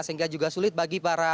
sehingga juga sulit bagi para